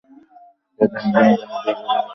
প্রাথমিকভাবে আপনার যা বলার আছে বলুন।